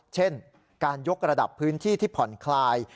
เช่นการยกระดับพื้นที่ที่ผ่อนคลาย